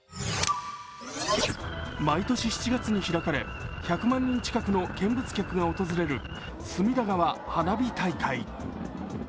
毎年７月に開かれ１００万人近くの見物客が訪れる隅田川花火大会。